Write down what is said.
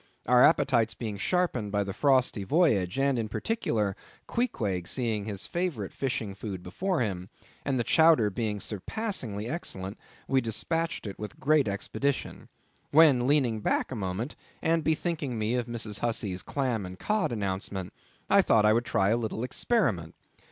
Our appetites being sharpened by the frosty voyage, and in particular, Queequeg seeing his favourite fishing food before him, and the chowder being surpassingly excellent, we despatched it with great expedition: when leaning back a moment and bethinking me of Mrs. Hussey's clam and cod announcement, I thought I would try a little experiment.